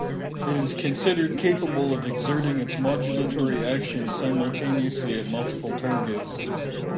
It is considered capable of exerting its modulatory actions simultaneously at multiple targets.